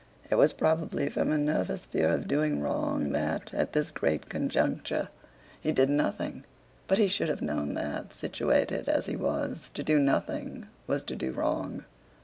It was probably from a nervous fear of doing wrong that, at this great conjuncture, he did nothing: but he should have known that, situated as he was, to do nothing was to do wrong.